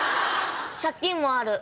借金もある。